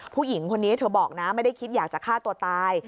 ผู้หญิงคนนี้เธอบอกนะไม่ได้คิดอยากจะฆ่าตัวตาย